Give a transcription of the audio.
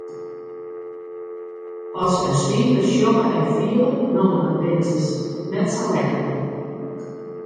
At se in swipe sjogge en fiele no dan binne se net sa lekker.